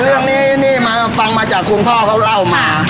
เรื่องนี้นี่มาฟังมาจากคุณพ่อเขาเล่ามา